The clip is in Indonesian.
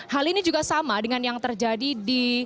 hal ini juga sama dengan yang terjadi di